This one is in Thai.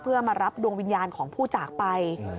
เพื่อมารับดวงวิญญาณของผู้จากไป